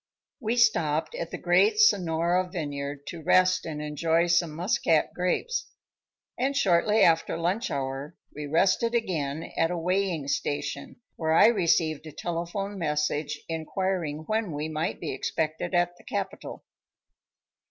We stopped at the great Sonora Vineyard to rest and enjoy some Muscat grapes; and shortly after lunch hour, we rested again at a weighing station, where I received a telephone message inquiring when we might be expected at the capital.